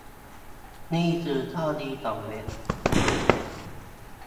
นี่คือข้อดีของเว็บ